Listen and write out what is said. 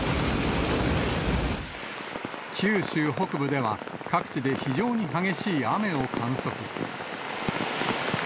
九州北部では、各地で非常に激しい雨を観測。